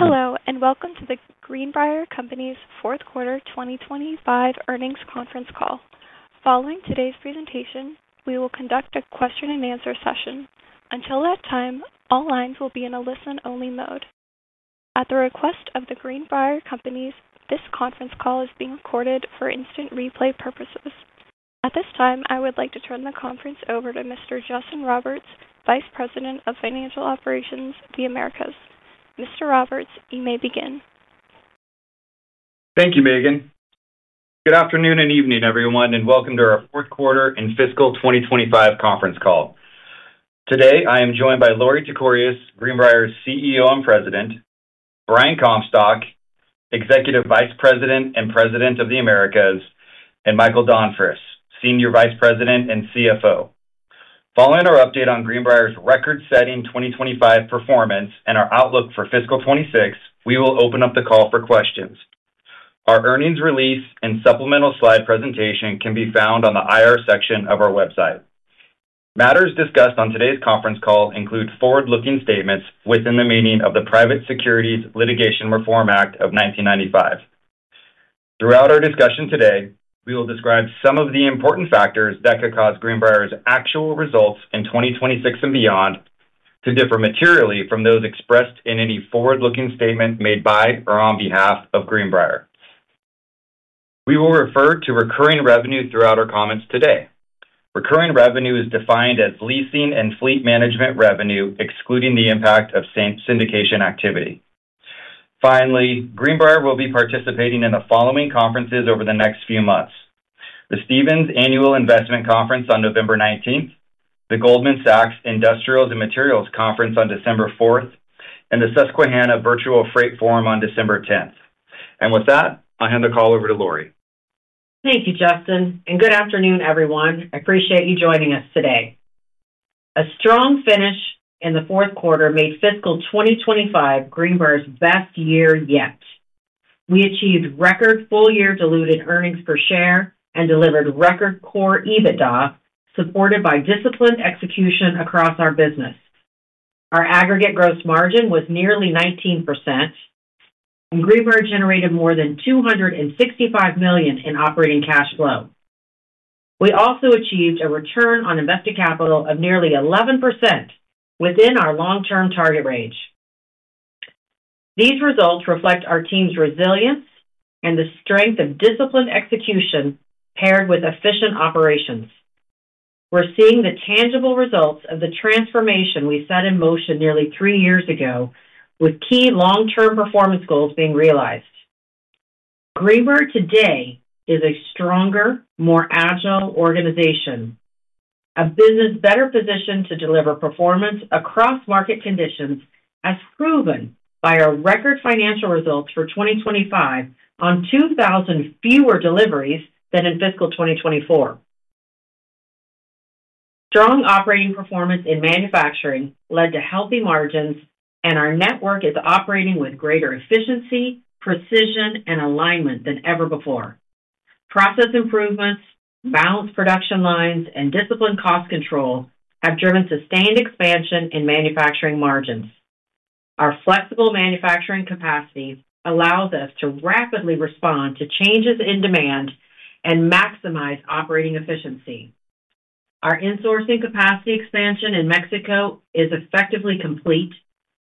Hello, and welcome to the Greenbrier Companies fourth quarter 2025 earnings conference call. Following today's presentation, we will conduct a question-and-answer session. Until that time, all lines will be in a listen-only mode. At the request of the Greenbrier Companies, this conference call is being recorded for instant replay purposes. At this time, I would like to turn the conference over to Mr. Justin Roberts, Vice President of Financial Operations, The Americas. Mr. Roberts, you may begin. Thank you, Megan. Good afternoon and evening, everyone, and welcome to our fourth quarter and fiscal 2025 conference call. Today, I am joined by Lorie Tekorius, Greenbrier's CEO and President, Brian Comstock, Executive Vice President and President of The Americas, and Michael Donfris, Senior Vice President and CFO. Following our update on Greenbrier's record-setting 2025 performance and our outlook for fiscal 2026, we will open up the call for questions. Our earnings release and supplemental slide presentation can be found on the IR section of our website. Matters discussed on today's conference call include forward-looking statements within the meaning of the Private Securities Litigation Reform Act of 1995. Throughout our discussion today, we will describe some of the important factors that could cause Greenbrier's actual results in 2026 and beyond to differ materially from those expressed in any forward-looking statement made by or on behalf of Greenbrier. We will refer to recurring revenue throughout our comments today. Recurring revenue is defined as leasing and fleet management revenue, excluding the impact of syndication activity. Finally, Greenbrier will be participating in the following conferences over the next few months: the Stevens Annual Investment Conference on November 19, the Goldman Sachs Industrials and Materials Conference on December 4th, and the Susquehanna Virtual Freight Forum on December 10. With that, I'll hand the call over to Lorie. Thank you, Justin, and good afternoon, everyone. I appreciate you joining us today. A strong finish in the fourth quarter made fiscal 2025 Greenbrier's best year yet. We achieved record full-year diluted earnings per share and delivered record core EBITDA, supported by disciplined execution across our business. Our aggregate gross margin was nearly 19%, and Greenbrier generated more than $265 million in operating cash flow. We also achieved a return on invested capital of nearly 11% within our long-term target range. These results reflect our team's resilience and the strength of disciplined execution paired with efficient operations. We're seeing the tangible results of the transformation we set in motion nearly three years ago, with key long-term performance goals being realized. Greenbrier today is a stronger, more agile organization, a business better positioned to deliver performance across market conditions, as proven by our record financial results for 2025 on 2,000 fewer deliveries than in fiscal 2024. Strong operating performance in manufacturing led to healthy margins, and our network is operating with greater efficiency, precision, and alignment than ever before. Process improvements, balanced production lines, and disciplined cost control have driven sustained expansion in manufacturing margins. Our flexible manufacturing capacity allows us to rapidly respond to changes in demand and maximize operating efficiency. Our insourcing capacity expansion in Mexico is effectively complete,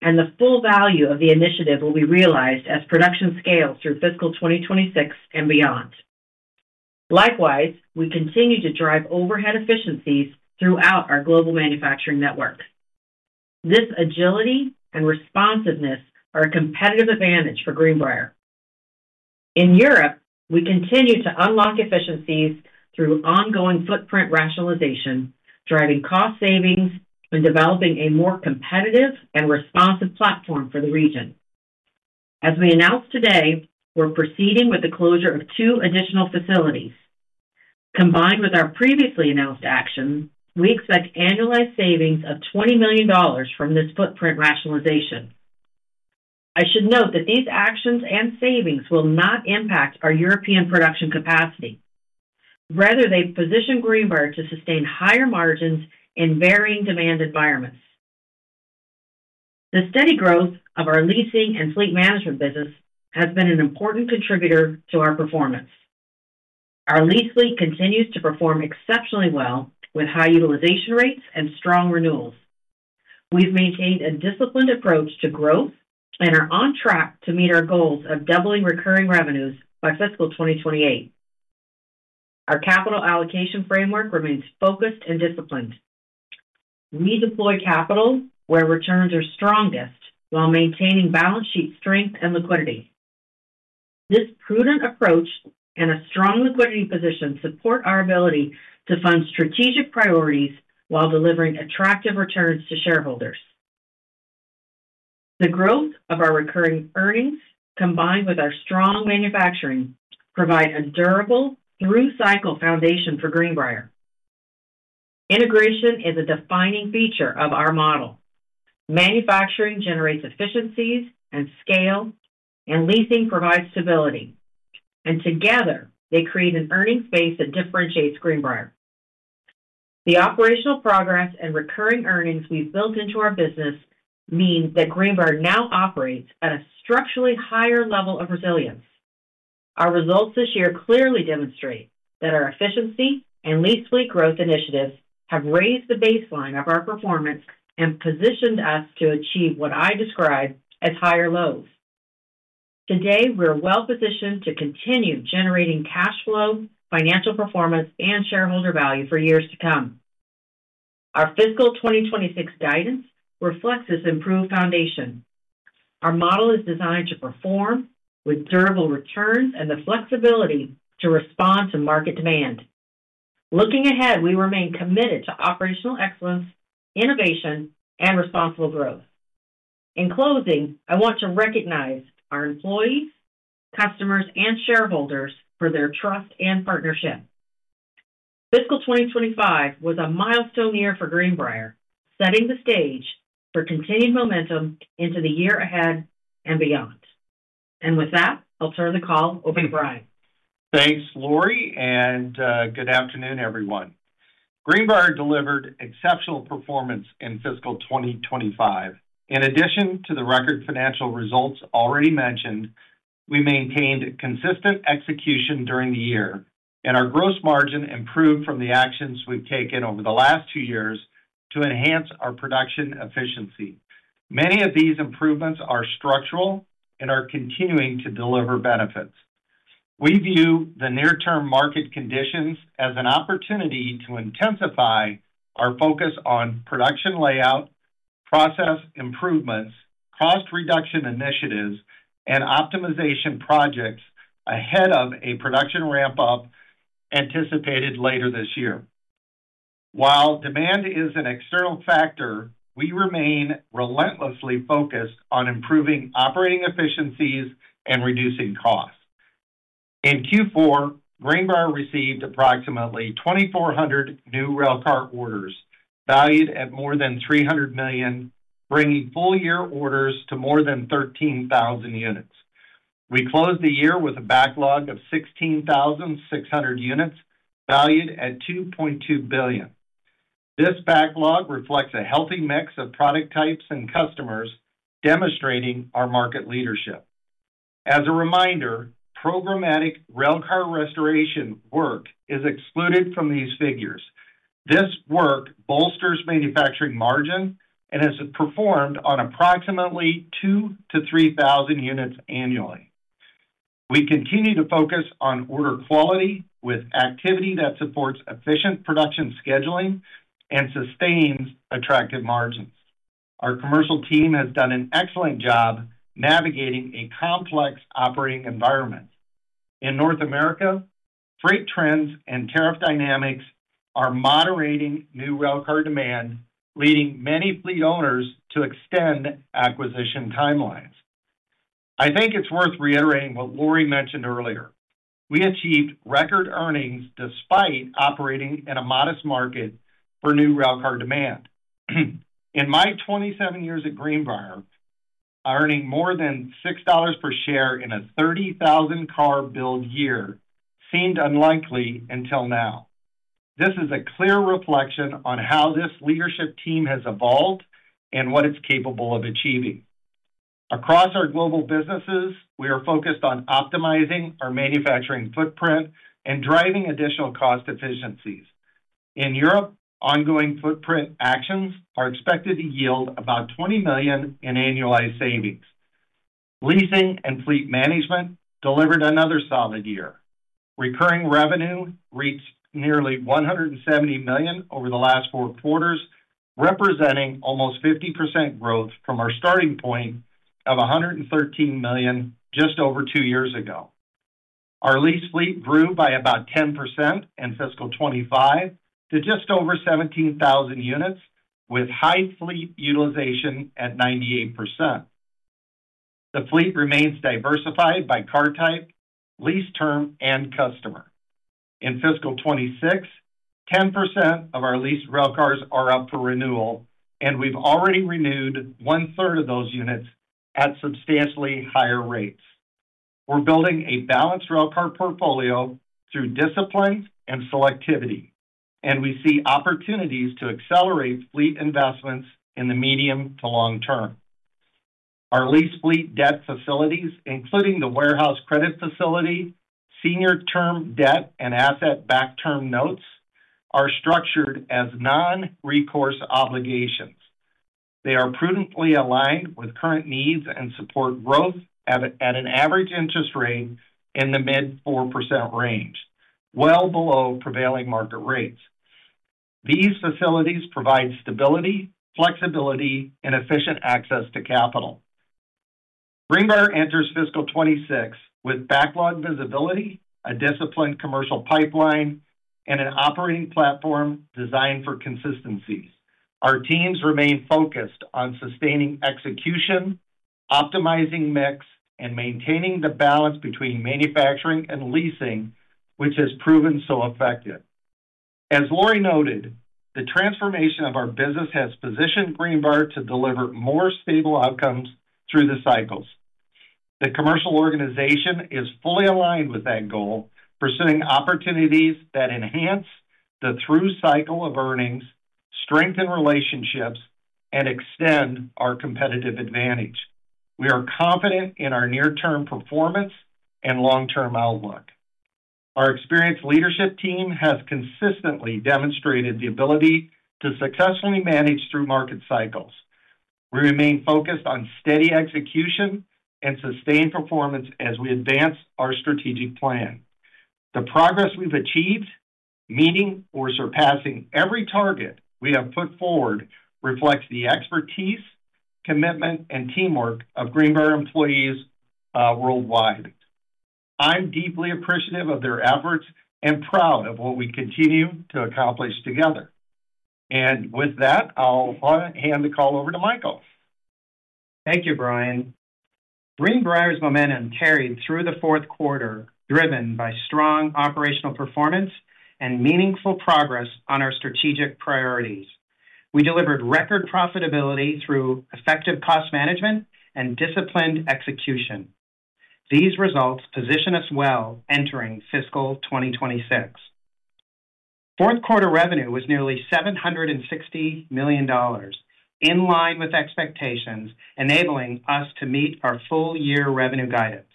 and the full value of the initiative will be realized as production scales through fiscal 2026 and beyond. Likewise, we continue to drive overhead efficiencies throughout our global manufacturing network. This agility and responsiveness are a competitive advantage for Greenbrier. In Europe, we continue to unlock efficiencies through ongoing footprint rationalization, driving cost savings and developing a more competitive and responsive platform for the region. As we announced today, we're proceeding with the closure of two additional facilities. Combined with our previously announced action, we expect annualized savings of $20 million from this footprint rationalization. I should note that these actions and savings will not impact our European production capacity. Rather, they position Greenbrier to sustain higher margins in varying demand environments. The steady growth of our leasing and fleet management business has been an important contributor to our performance. Our lease fleet continues to perform exceptionally well, with high utilization rates and strong renewals. We've maintained a disciplined approach to growth and are on track to meet our goals of doubling recurring revenues by fiscal 2028. Our capital allocation framework remains focused and disciplined. We deploy capital where returns are strongest while maintaining balance sheet strength and liquidity. This prudent approach and a strong liquidity position support our ability to fund strategic priorities while delivering attractive returns to shareholders. The growth of our recurring earnings, combined with our strong manufacturing, provides a durable through-cycle foundation for Greenbrier. Integration is a defining feature of our model. Manufacturing generates efficiencies and scale, and leasing provides stability. Together, they create an earnings base that differentiates Greenbrier. The operational progress and recurring earnings we've built into our business mean that Greenbrier now operates at a structurally higher level of resilience. Our results this year clearly demonstrate that our efficiency and lease fleet growth initiatives have raised the baseline of our performance and positioned us to achieve what I describe as higher lows. Today, we're well-positioned to continue generating cash flow, financial performance, and shareholder value for years to come. Our fiscal 2026 guidance reflects this improved foundation. Our model is designed to perform with durable returns and the flexibility to respond to market demand. Looking ahead, we remain committed to operational excellence, innovation, and responsible growth. In closing, I want to recognize our employees, customers, and shareholders for their trust and partnership. Fiscal 2025 was a milestone year for Greenbrier, setting the stage for continued momentum into the year ahead and beyond. With that, I'll turn the call over to Brian. Thanks, Lorie, and good afternoon, everyone. Greenbrier delivered exceptional performance in fiscal 2025. In addition to the record financial results already mentioned, we maintained consistent execution during the year, and our gross margin improved from the actions we've taken over the last two years to enhance our production efficiency. Many of these improvements are structural and are continuing to deliver benefits. We view the near-term market conditions as an opportunity to intensify our focus on production layout, process improvements, cost reduction initiatives, and optimization projects ahead of a production ramp-up anticipated later this year. While demand is an external factor, we remain relentlessly focused on improving operating efficiencies and reducing costs. In Q4, Greenbrier received approximately 2,400 new railcar orders valued at more than $300 million, bringing full-year orders to more than 13,000 units. We closed the year with a backlog of 16,600 units valued at $2.2 billion. This backlog reflects a healthy mix of product types and customers, demonstrating our market leadership. As a reminder, programmatic railcar restoration work is excluded from these figures. This work bolsters manufacturing margin and is performed on approximately 2,000-3,000 units annually. We continue to focus on order quality with activity that supports efficient production scheduling and sustains attractive margins. Our commercial team has done an excellent job navigating a complex operating environment. In North America, freight trends and tariff dynamics are moderating new railcar demand, leading many fleet owners to extend acquisition timelines. I think it's worth reiterating what Lorie mentioned earlier. We achieved record earnings despite operating in a modest market for new railcar demand. In my 27 years at Greenbrier, earning more than $6 per share in a 30,000-car build year seemed unlikely until now. This is a clear reflection on how this leadership team has evolved and what it's capable of achieving. Across our global businesses, we are focused on optimizing our manufacturing footprint and driving additional cost efficiencies. In Europe, ongoing footprint actions are expected to yield about $20 million in annualized savings. Leasing and fleet management delivered another solid year. Recurring revenue reached nearly $170 million over the last four quarters, representing almost 50% growth from our starting point of $113 million just over two years ago. Our lease fleet grew by about 10% in fiscal 2025 to just over 17,000 units, with high fleet utilization at 98%. The fleet remains diversified by car type, lease term, and customer. In fiscal 2026, 10% of our leased railcars are up for renewal, and we've already renewed one-third of those units at substantially higher rates. We're building a balanced railcar portfolio through discipline and selectivity, and we see opportunities to accelerate fleet investments in the medium to long term. Our lease fleet debt facilities, including the warehouse credit facility, senior term debt, and asset backed term notes, are structured as non-recourse obligations. They are prudently aligned with current needs and support growth at an average interest rate in the mid-4% range, well below prevailing market rates. These facilities provide stability, flexibility, and efficient access to capital. Greenbrier enters fiscal 2026 with backlog visibility, a disciplined commercial pipeline, and an operating platform designed for consistencies. Our teams remain focused on sustaining execution, optimizing mix, and maintaining the balance between manufacturing and leasing, which has proven so effective. As Lorie noted, the transformation of our business has positioned Greenbrier to deliver more stable outcomes through the cycles. The commercial organization is fully aligned with that goal, pursuing opportunities that enhance the through cycle of earnings, strengthen relationships, and extend our competitive advantage. We are confident in our near-term performance and long-term outlook. Our experienced leadership team has consistently demonstrated the ability to successfully manage through market cycles. We remain focused on steady execution and sustained performance as we advance our strategic plan. The progress we've achieved, meeting or surpassing every target we have put forward, reflects the expertise, commitment, and teamwork of Greenbrier employees worldwide. I'm deeply appreciative of their efforts and proud of what we continue to accomplish together. I'll hand the call over to Michael. Thank you, Brian. Greenbrier's momentum carried through the fourth quarter, driven by strong operational performance and meaningful progress on our strategic priorities. We delivered record profitability through effective cost management and disciplined execution. These results position us well entering fiscal 2026. Fourth quarter revenue was nearly $760 million, in line with expectations, enabling us to meet our full-year revenue guidance.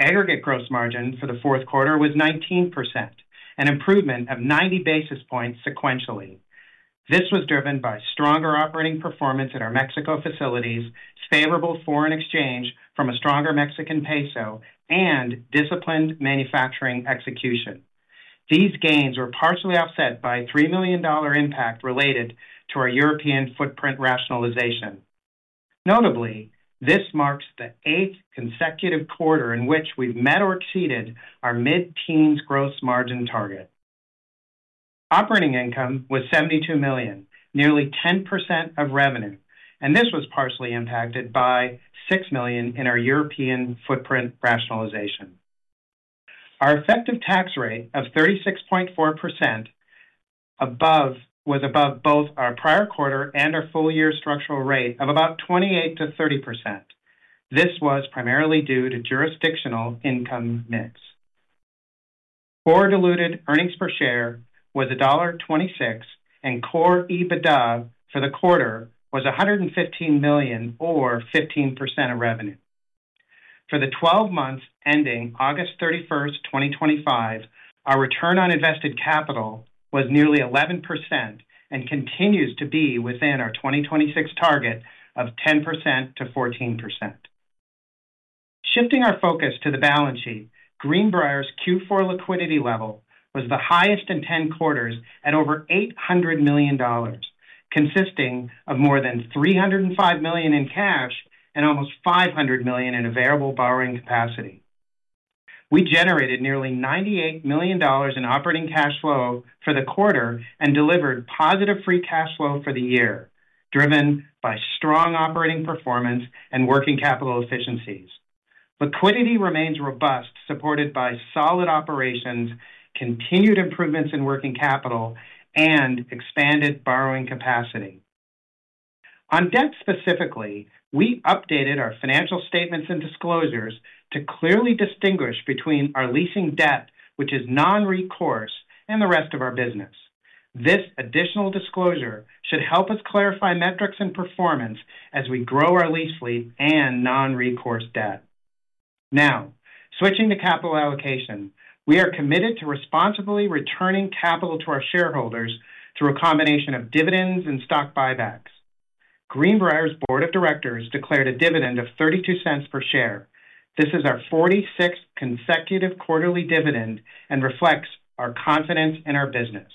Aggregate gross margin for the fourth quarter was 19%, an improvement of 90 basis points sequentially. This was driven by stronger operating performance at our Mexico facilities, favorable foreign exchange from a stronger Mexican peso, and disciplined manufacturing execution. These gains were partially offset by a $3 million impact related to our European footprint rationalization. Notably, this marks the eighth consecutive quarter in which we've met or exceeded our mid-teens gross margin target. Operating income was $72 million, nearly 10% of revenue, and this was partially impacted by $6 million in our European footprint rationalization. Our effective tax rate of 36.4% was above both our prior quarter and our full-year structural rate of about 28%-30%. This was primarily due to jurisdictional income mix. Core diluted earnings per share was $1.26, and core EBITDA for the quarter was $115 million, or 15% of revenue. For the 12 months ending August 31st, 2025, our return on invested capital was nearly 11% and continues to be within our 2026 target of 10%-14%. Shifting our focus to the balance sheet, Greenbrier's Q4 liquidity level was the highest in 10 quarters at over $800 million, consisting of more than $305 million in cash and almost $500 million in available borrowing capacity. We generated nearly $98 million in operating cash flow for the quarter and delivered positive free cash flow for the year, driven by strong operating performance and working capital efficiencies. Liquidity remains robust, supported by solid operations, continued improvements in working capital, and expanded borrowing capacity. On debt specifically, we updated our financial statements and disclosures to clearly distinguish between our leasing debt, which is non-recourse, and the rest of our business. This additional disclosure should help us clarify metrics and performance as we grow our lease fleet and non-recourse debt. Now, switching to capital allocation, we are committed to responsibly returning capital to our shareholders through a combination of dividends and stock buybacks. Greenbrier's board of directors declared a dividend of $0.32 per share. This is our 46th consecutive quarterly dividend and reflects our confidence in our business.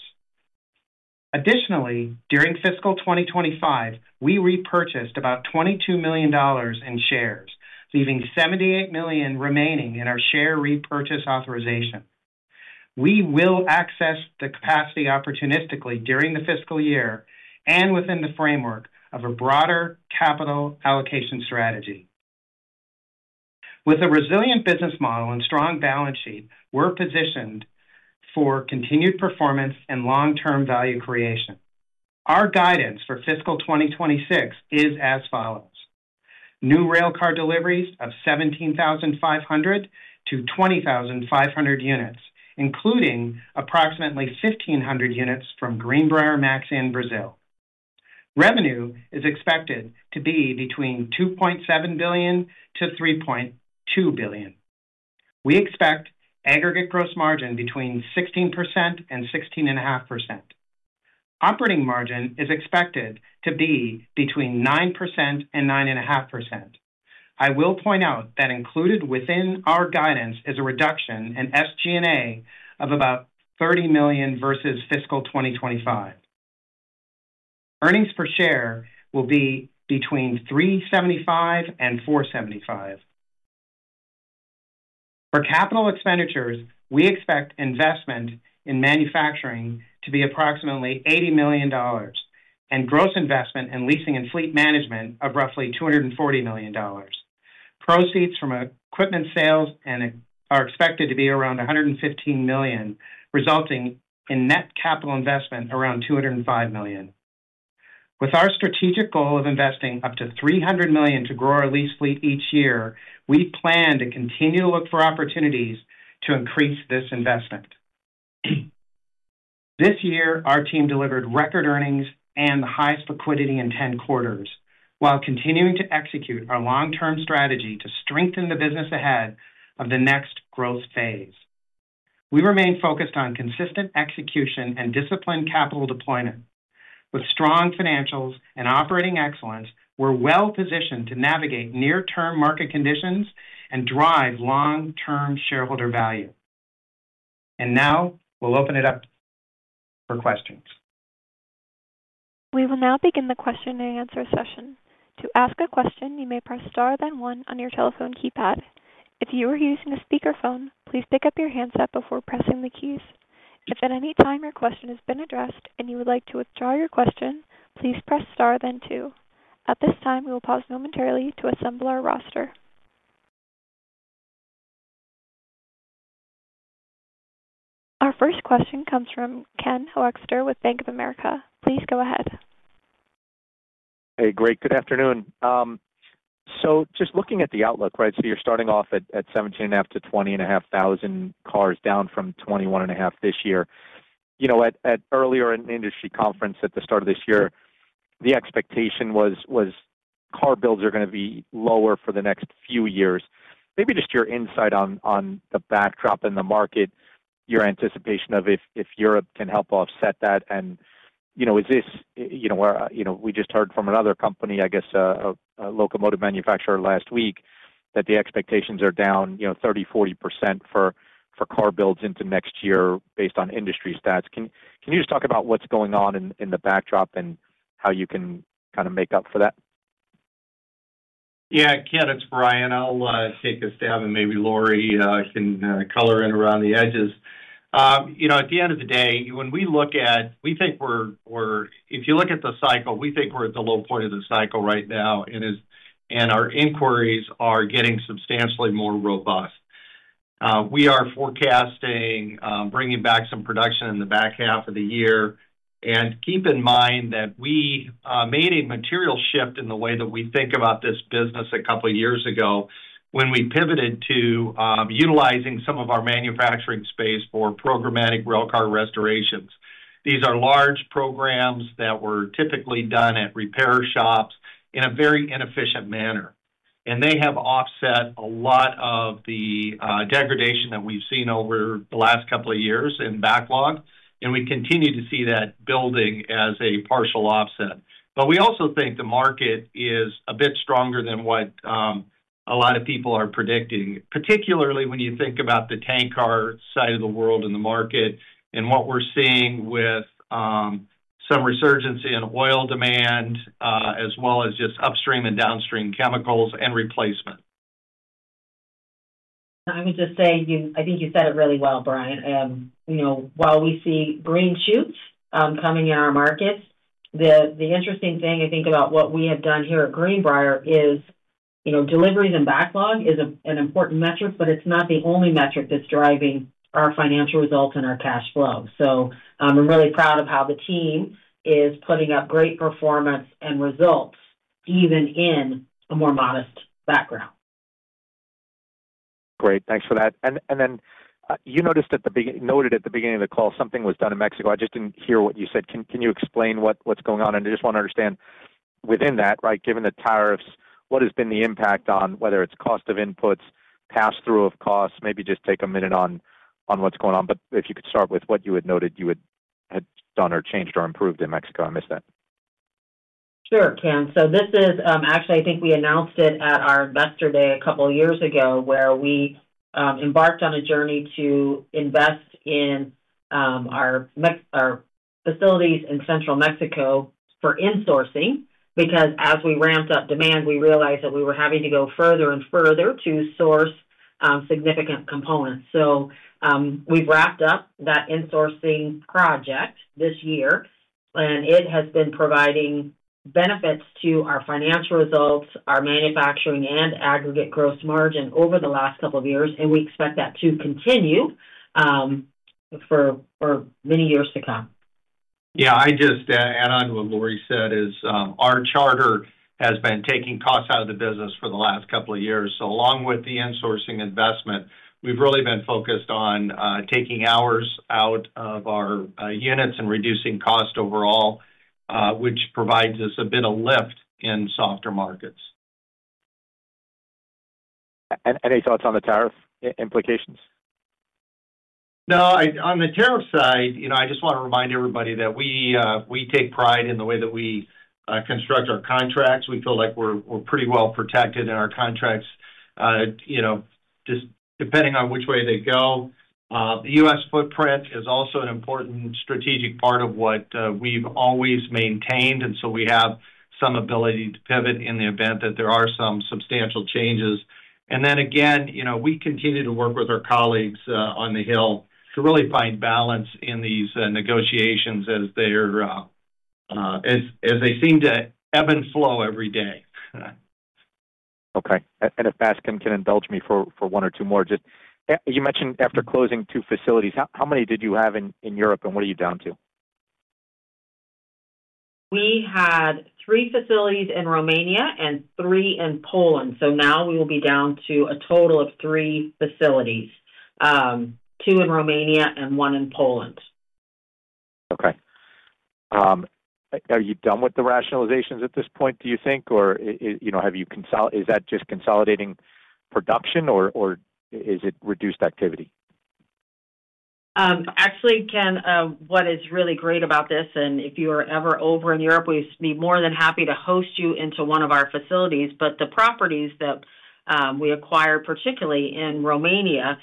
Additionally, during fiscal 2025, we repurchased about $22 million in shares, leaving $78 million remaining in our share repurchase authorization. We will access the capacity opportunistically during the fiscal year and within the framework of a broader capital allocation strategy. With a resilient business model and strong balance sheet, we're positioned for continued performance and long-term value creation. Our guidance for fiscal 2026 is as follows: new railcar deliveries of 17,500-20,500 units, including approximately 1,500 units from Greenbrier Maxi in Brazil. Revenue is expected to be between $2.7 billion-$3.2 billion. We expect aggregate gross margin between 16% and 16.5%. Operating margin is expected to be between 9% and 9.5%. I will point out that included within our guidance is a reduction in SG&A of about $30 million versus fiscal 2025. Earnings per share will be between $3.75 and $4.75. For capital expenditures, we expect investment in manufacturing to be approximately $80 million and gross investment in leasing and fleet management of roughly $240 million. Proceeds from equipment sales are expected to be around $115 million, resulting in net capital investment around $205 million. With our strategic goal of investing up to $300 million to grow our lease fleet each year, we plan to continue to look for opportunities to increase this investment. This year, our team delivered record earnings and the highest liquidity in 10 quarters, while continuing to execute our long-term strategy to strengthen the business ahead of the next growth phase. We remain focused on consistent execution and disciplined capital deployment. With strong financials and operating excellence, we're well-positioned to navigate near-term market conditions and drive long-term shareholder value. Now, we'll open it up for questions. We will now begin the question-and-answer session. To ask a question, you may press star then one on your telephone keypad. If you are using a speakerphone, please pick up your handset before pressing the keys. If at any time your question has been addressed and you would like to withdraw your question, please press star then two. At this time, we will pause momentarily to assemble our roster. Our first question comes from Ken Hoexter with Bank of America. Please go ahead. Hey, great. Good afternoon. Just looking at the outlook, right, you're starting off at 17,500-20,500 cars, down from 21,500 this year. At the industry conference at the start of this year, the expectation was car builds are going to be lower for the next few years. Maybe just your insight on the backdrop in the market, your anticipation of if Europe can help offset that. Is this where we just heard from another company, I guess a locomotive manufacturer last week, that the expectations are down 30%-40% for car builds into next year based on industry stats. Can you just talk about what's going on in the backdrop and how you can kind of make up for that? Yeah, Ken, it's Brian. I'll take a stab and maybe Lorie can color in around the edges. At the end of the day, when we look at it, we think we're at the low point of the cycle right now, and our inquiries are getting substantially more robust. We are forecasting bringing back some production in the back half of the year. Keep in mind that we made a material shift in the way that we think about this business a couple of years ago when we pivoted to utilizing some of our manufacturing space for programmatic railcar restorations. These are large programs that were typically done at repair shops in a very inefficient manner. They have offset a lot of the degradation that we've seen over the last couple of years in backlog. We continue to see that building as a partial offset. We also think the market is a bit stronger than what a lot of people are predicting, particularly when you think about the tank car side of the world and the market and what we're seeing with some resurgence in oil demand, as well as just upstream and downstream chemicals and replacement. I would just say, I think you said it really well, Brian. While we see green shoots coming in our markets, the interesting thing I think about what we have done here at Greenbrier is, deliveries and backlog is an important metric, but it's not the only metric that's driving our financial results and our cash flow. I'm really proud of how the team is putting up great performance and results, even in a more modest background. Great. Thanks for that. You noted at the beginning of the call, something was done in Mexico. I just didn't hear what you said. Can you explain what's going on? I just want to understand within that, right, given the tariffs, what has been the impact on whether it's cost of inputs, pass-through of costs? Maybe just take a minute on what's going on. If you could start with what you had noted you had done or changed or improved in Mexico. I missed that. Sure, Ken. This is actually, I think we announced it at our Investor Day a couple of years ago, where we embarked on a journey to invest in our facilities in Central Mexico for insourcing because as we ramped up demand, we realized that we were having to go further and further to source significant components. We have wrapped up that insourcing project this year, and it has been providing benefits to our financial results, our manufacturing, and aggregate gross margin over the last couple of years. We expect that to continue for many years to come. Yeah, I just add on to what Lorie said is our charter has been taking costs out of the business for the last couple of years. Along with the insourcing investment, we've really been focused on taking hours out of our units and reducing cost overall, which provides us a bit of lift in softer markets. Any thoughts on the tariff implications? No. On the tariff side, I just want to remind everybody that we take pride in the way that we construct our contracts. We feel like we're pretty well protected in our contracts, just depending on which way they go. The U.S. footprint is also an important strategic part of what we've always maintained. We have some ability to pivot in the event that there are some substantial changes. We continue to work with our colleagues on the Hill to really find balance in these negotiations as they seem to ebb and flow every day. Okay. If Bascome can indulge me for one or two more, you mentioned after closing two facilities, how many did you have in Europe and what are you down to? We had three facilities in Romania and three in Poland. We will be down to a total of three facilities, two in Romania and one in Poland. Okay. Are you done with the rationalizations at this point, do you think, or have you consolidated? Is that just consolidating production, or is it reduced activity? Actually, Ken, what is really great about this, and if you are ever over in Europe, we'd be more than happy to host you into one of our facilities. The properties that we acquired, particularly in Romania,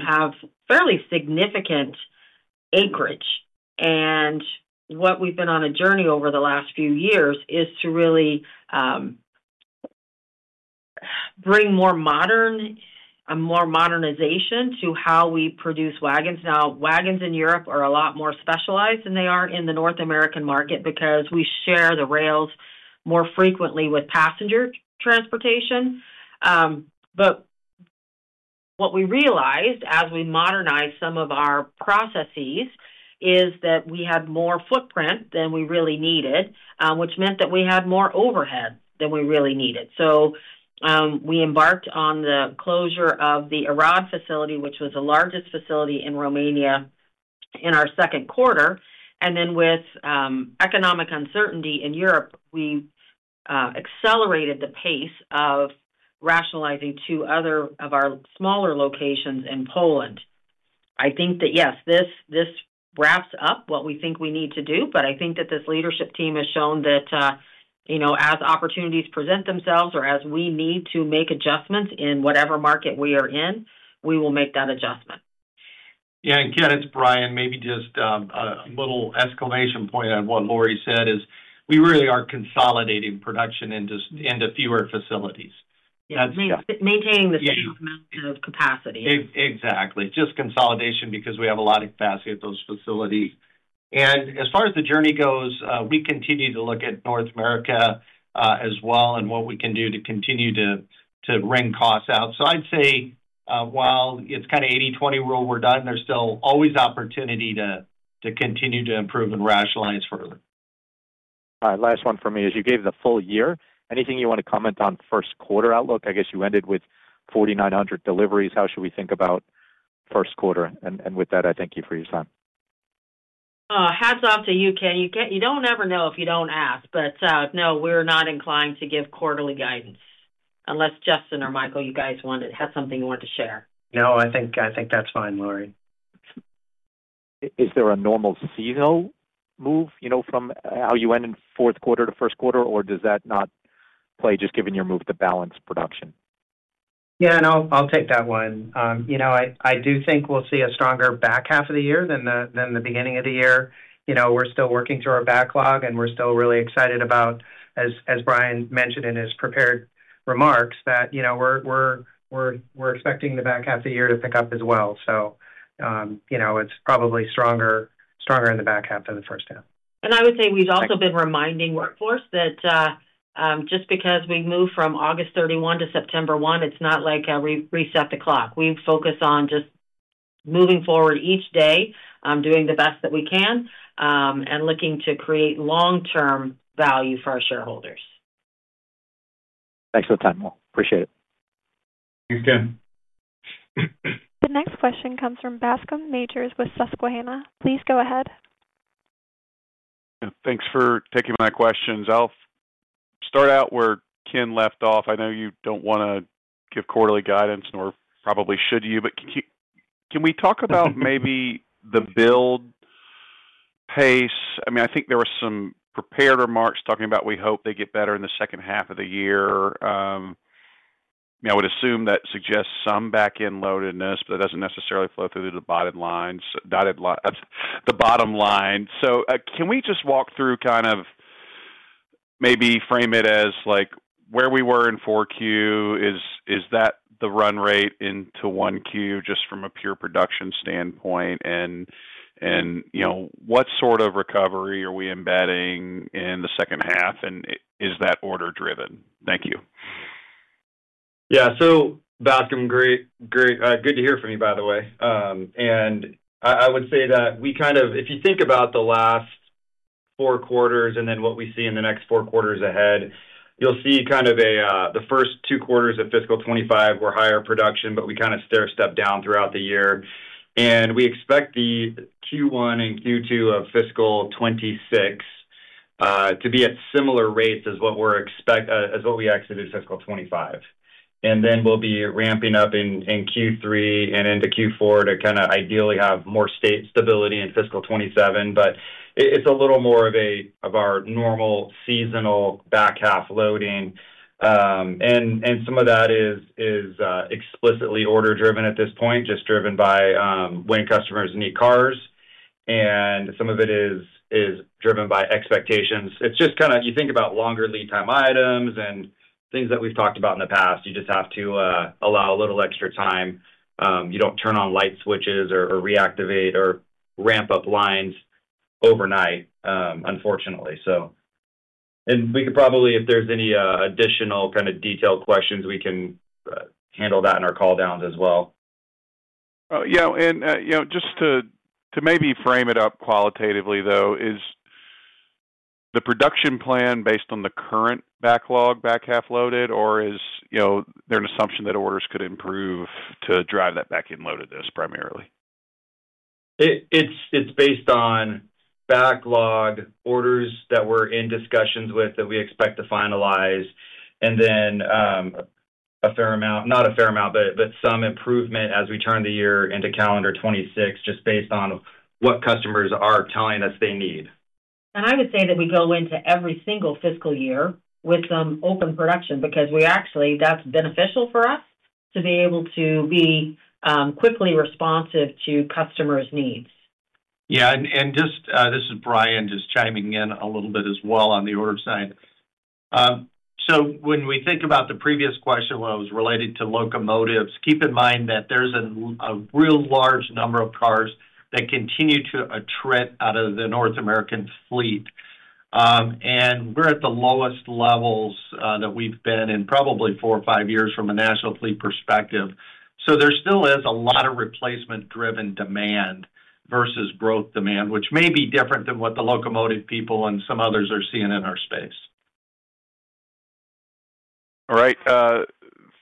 have fairly significant acreage. What we've been on a journey over the last few years is to really bring more modernization to how we produce wagons. Wagons in Europe are a lot more specialized than they are in the North American market because we share the rails more frequently with passenger transportation. What we realized as we modernized some of our processes is that we had more footprint than we really needed, which meant that we had more overhead than we really needed. We embarked on the closure of the Arad facility, which was the largest facility in Romania in our second quarter. With economic uncertainty in Europe, we accelerated the pace of rationalizing two other of our smaller locations in Poland. I think that, yes, this wraps up what we think we need to do. I think that this leadership team has shown that, you know, as opportunities present themselves or as we need to make adjustments in whatever market we are in, we will make that adjustment. Yeah. Ken, it's Brian, maybe just a little exclamation point on what Lorie said. We really are consolidating production into fewer facilities. Yeah, maintaining the same amount of capacity. Exactly. Just consolidation because we have a lot of capacity at those facilities. As far as the journey goes, we continue to look at North America as well and what we can do to continue to wring costs out. I'd say, while it's kind of 80-20 rule we're done, there's still always opportunity to continue to improve and rationalize further. All right. Last one from me is you gave the full year. Anything you want to comment on first quarter outlook? I guess you ended with 4,900 deliveries. How should we think about first quarter? With that, I thank you for your time. Hats off to you, Ken. You don't ever know if you don't ask. No, we're not inclined to give quarterly guidance unless Justin or Michael, you guys had something you wanted to share. I think that's fine, Lorie. Is there a normal seasonal move from how you went in fourth quarter to first quarter, or does that not play just given your move to balance production? Yeah, I'll take that one. I do think we'll see a stronger back half of the year than the beginning of the year. We're still working through our backlog, and we're still really excited about, as Brian mentioned in his prepared remarks, that we're expecting the back half of the year to pick up as well. It's probably stronger in the back half than the first half. We have also been reminding workforce that just because we move from August 31-September 1, it's not like we reset the clock. We focus on just moving forward each day, doing the best that we can, and looking to create long-term value for our shareholders. Thanks for the time, all. Appreciate it. Thanks, Ken. The next question comes from Bascome Majors with Susquehanna. Please go ahead. Thanks for taking my questions. I'll start out where Ken left off. I know you don't want to give quarterly guidance, nor probably should you, but can we talk about maybe the build pace? I mean, I think there were some prepared remarks talking about we hope they get better in the second half of the year. I would assume that suggests some backend loadedness, but it doesn't necessarily flow through to the bottom line. Can we just walk through, kind of maybe frame it as like where we were in fourth quarter? Is that the run rate into first quarter just from a pure production standpoint? What sort of recovery are we embedding in the second half? Is that order driven? Thank you. Yeah. Bascome, great, good to hear from you, by the way. I would say that we kind of, if you think about the last four quarters and then what we see in the next four quarters ahead, you'll see kind of the first two quarters of fiscal 2025 were higher production, but we kind of stair-step down throughout the year. We expect Q1 and Q2 of fiscal 2026 to be at similar rates as what we're expecting as what we exited fiscal 2025. We'll be ramping up in Q3 and into Q4 to ideally have more stability in fiscal 2027. It's a little more of our normal seasonal back half loading. Some of that is explicitly order driven at this point, just driven by when customers need cars. Some of it is driven by expectations. It's just kind of you think about longer lead time items and things that we've talked about in the past. You just have to allow a little extra time. You don't turn on light switches or reactivate or ramp up lines overnight, unfortunately. We could probably, if there's any additional kind of detailed questions, handle that in our call downs as well. Yeah, just to maybe frame it up qualitatively, though, is the production plan based on the current backlog back half loaded, or is there an assumption that orders could improve to drive that backend loadedness primarily? It's based on backlog orders that we're in discussions with that we expect to finalize. Also, some improvement as we turn the year into calendar 2026, just based on what customers are telling us they need. We go into every single fiscal year with some open production because that's beneficial for us to be able to be quickly responsive to customers' needs. Yeah. This is Brian just chiming in a little bit as well on the order side. When we think about the previous question, it was related to locomotives. Keep in mind that there's a real large number of cars that continue to attrit out of the North American fleet, and we're at the lowest levels that we've been in probably four or five years from a national fleet perspective. There still is a lot of replacement-driven demand versus growth demand, which may be different than what the locomotive people and some others are seeing in our space. All right.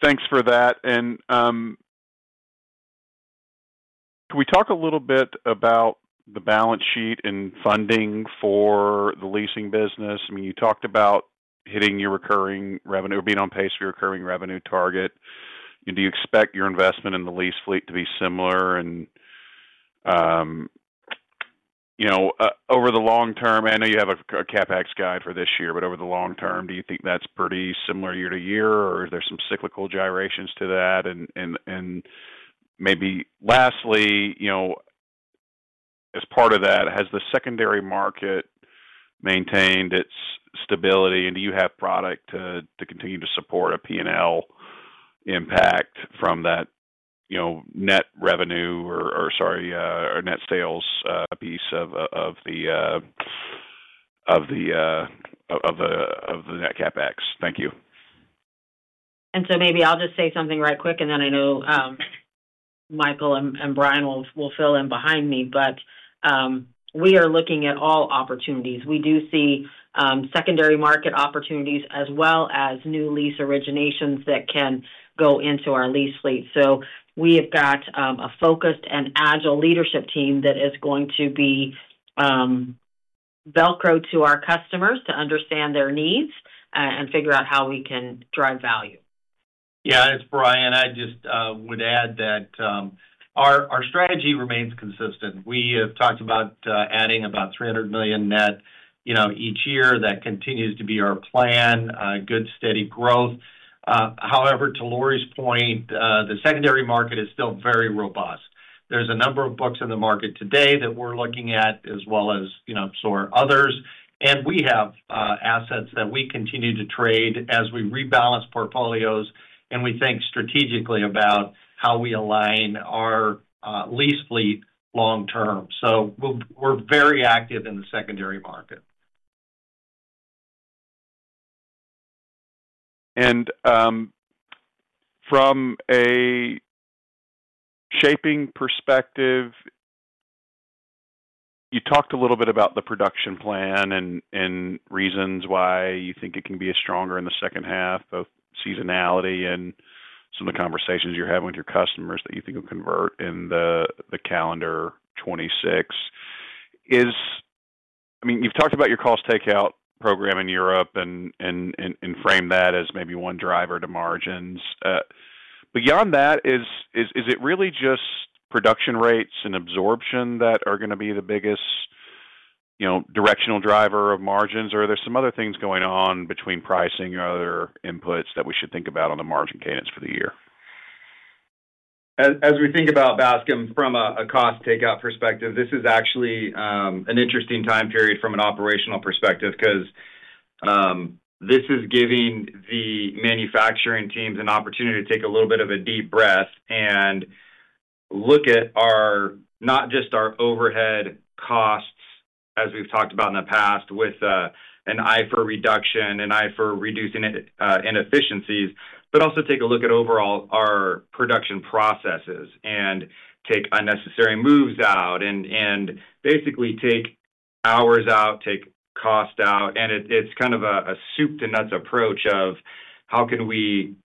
Thanks for that. Can we talk a little bit about the balance sheet and funding for the leasing business? You talked about hitting your recurring revenue, or being on pace for your recurring revenue target. Do you expect your investment in the lease fleet to be similar? Over the long term, I know you have a CapEx guide for this year, but over the long term, do you think that's pretty similar year to year, or is there some cyclical gyrations to that? Maybe lastly, as part of that, has the secondary market maintained its stability? Do you have product to continue to support a P&L impact from that, net revenue or, sorry, net sales, piece of the net CapEx? Thank you. Maybe I'll just say something right quick, and then I know Michael and Brian will fill in behind me. We are looking at all opportunities. We do see secondary market opportunities as well as new lease originations that can go into our lease fleet. We have got a focused and agile leadership team that is going to be Velcro to our customers to understand their needs, and figure out how we can drive value. Yeah, it's Brian. I would add that our strategy remains consistent. We have talked about adding about $300 million net each year. That continues to be our plan, good steady growth. However, to Lorie's point, the secondary market is still very robust. There's a number of books in the market today that we're looking at, as well as others. We have assets that we continue to trade as we rebalance portfolios, and we think strategically about how we align our lease fleet long term. We're very active in the secondary market. From a shaping perspective, you talked a little bit about the production plan and reasons why you think it can be stronger in the second half, both seasonality and some of the conversations you're having with your customers that you think will convert in the calendar 2026. You've talked about your cost takeout program in Europe and framed that as maybe one driver to margins. Beyond that, is it really just production rates and absorption that are going to be the biggest directional driver of margins, or are there some other things going on between pricing or other inputs that we should think about on the margin cadence for the year? As we think about Bascome from a cost takeout perspective, this is actually an interesting time period from an operational perspective because this is giving the manufacturing teams an opportunity to take a little bit of a deep breath and look at not just our overhead costs, as we've talked about in the past, with an eye for reduction and an eye for reducing inefficiencies, but also take a look at overall our production processes and take unnecessary moves out and basically take hours out, take cost out. It's kind of a soup-to-nuts approach of how can we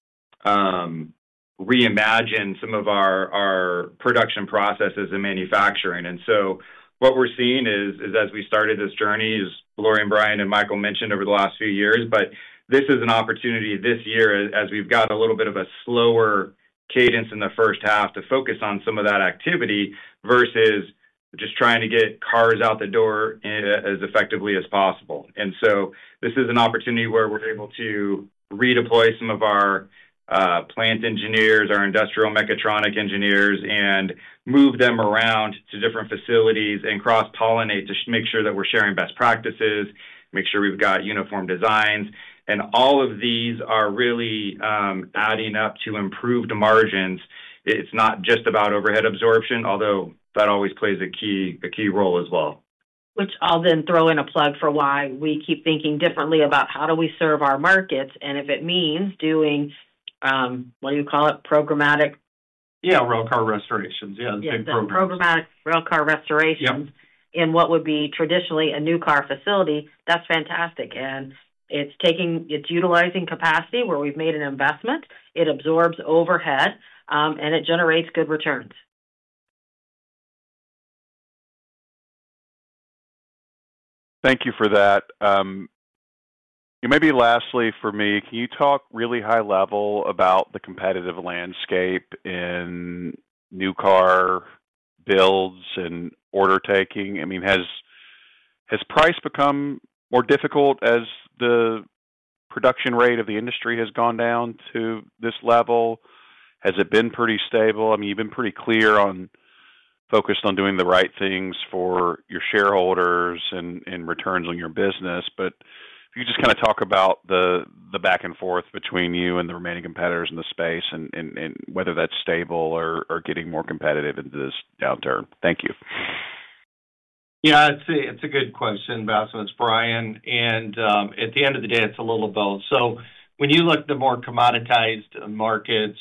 reimagine some of our production processes and manufacturing. What we're seeing is, as we started this journey, as Lorie and Brian and Michael mentioned over the last few years, this is an opportunity this year as we've got a little bit of a slower cadence in the first half to focus on some of that activity versus just trying to get cars out the door as effectively as possible. This is an opportunity where we're able to redeploy some of our plant engineers, our industrial mechatronic engineers, and move them around to different facilities and cross-pollinate to make sure that we're sharing best practices, make sure we've got uniform designs. All of these are really adding up to improved margins. It's not just about overhead absorption, although that always plays a key role as well. Which I'll then throw in a plug for why we keep thinking differently about how do we serve our markets, and if it means doing, what do you call it, programmatic? Yeah, railcar restorations, yeah, the big program. Programmatic railcar restorations in what would be traditionally a new car facility. That's fantastic. It's utilizing capacity where we've made an investment, it absorbs overhead, and it generates good returns. Thank you for that. Maybe lastly for me, can you talk really high level about the competitive landscape in new car builds and order taking? I mean, has price become more difficult as the production rate of the industry has gone down to this level? Has it been pretty stable? I mean, you've been pretty clear on focused on doing the right things for your shareholders and returns on your business. If you could just kind of talk about the back and forth between you and the remaining competitors in the space and whether that's stable or getting more competitive into this downturn. Thank you. Yeah, it's a good question, Bascome. It's Brian. At the end of the day, it's a little of both. When you look at the more commoditized markets,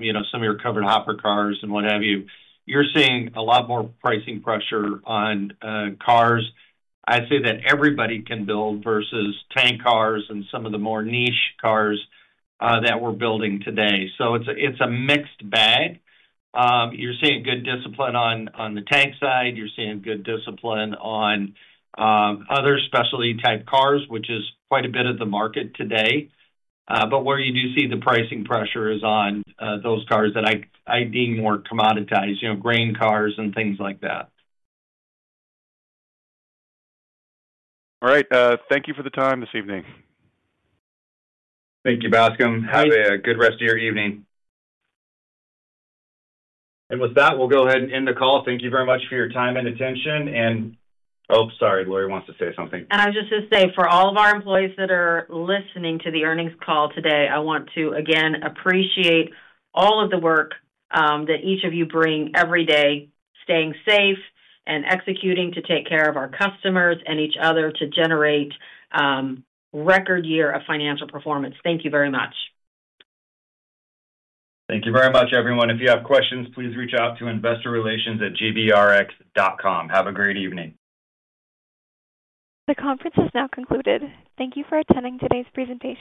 you know, some of your covered hopper cars and what have you, you're seeing a lot more pricing pressure on cars. I say that everybody can build versus tank cars and some of the more niche cars that we're building today. It's a mixed bag. You're seeing good discipline on the tank side. You're seeing good discipline on other specialty type cars, which is quite a bit of the market today. Where you do see the pricing pressure is on those cars that I deem more commoditized, you know, grain cars and things like that. All right. Thank you for the time this evening. Thank you, Bascome. Have a good rest of your evening. With that, we'll go ahead and end the call. Thank you very much for your time and attention. Oh, sorry, Lorie wants to say something. For all of our employees that are listening to the earnings call today, I want to again appreciate all of the work that each of you bring every day, staying safe and executing to take care of our customers and each other to generate a record year of financial performance. Thank you very much. Thank you very much, everyone. If you have questions, please reach out to investorrelations@jbrx.com. Have a great evening. The conference is now concluded. Thank you for attending today's presentation.